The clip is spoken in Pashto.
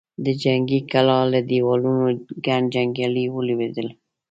د جنګي کلا له دېوالونو ګڼ جنګيالي ولوېدل.